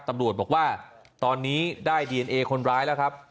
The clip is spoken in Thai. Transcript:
ตำรวจบอกว่าตอนนี้ได้ดีเอนเอคนร้ายแล้วครับ